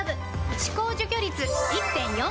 歯垢除去率 １．４ 倍！